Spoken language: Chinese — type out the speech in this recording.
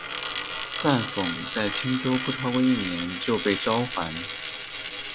范讽在青州不超过一年就被召还。